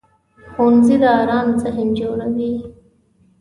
ښوونځی د ارام ذهن جوړوي